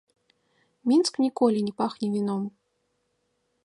Мінск ніколі не пахне віном.